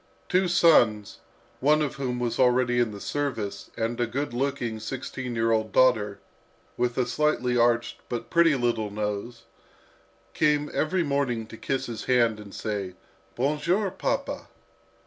Two sons, one of whom was already in the service, and a good looking, sixteen year old daughter, with a slightly arched but pretty little nose, came every morning to kiss his hand and say, "Bon jour, papa."